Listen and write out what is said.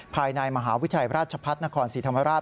ภายในมหาวิทยาลัยราชพัฒนครศรีธรรมราช